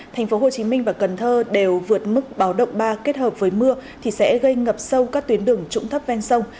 thành phố hồ chí minh và cần thơ đều vượt mức báo động ba kết hợp với mưa thì sẽ gây ngập sâu các tuyến đường trụng thấp ven sông